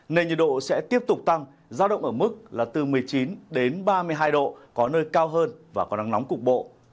nên nhiệt độ sẽ tiếp tục tăng giao động ở mức là từ một mươi chín đến ba mươi hai độ có nơi cao hơn và có nắng nóng cục bộ